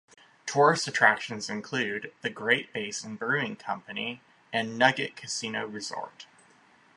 Tourist attractions include the Great Basin Brewing Company, and Nugget Casino Resort.